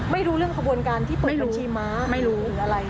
ไม่รู้เรื่องขบวนการที่เปิดบัญชีม้าไม่รู้หรืออะไร